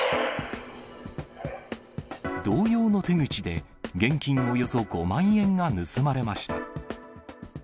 同様の手口で現金およそ５万円が盗まれました。